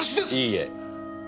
いいえ。